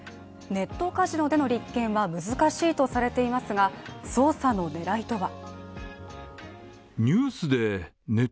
ネットカジノでの立件は難しいとされていますが、捜査の狙いとは。